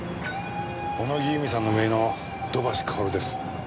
小野木由美さんの姪の土橋かおるです。